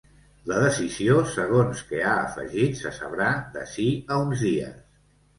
La decisió, segons que ha afegit, se sabrà d’ací a uns dies.